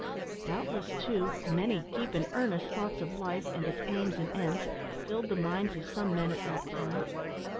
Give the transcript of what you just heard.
Doubtless, too, many deep and earnest thoughts of life, and its aims and ends, filled the minds of some men at that time.